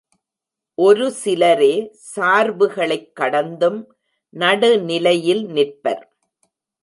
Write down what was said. ஒரு சிலரே சார்புகளைக் கடந்தும் நடுநிலையில் நிற்பர்.